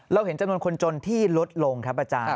เห็นจำนวนคนจนที่ลดลงครับอาจารย์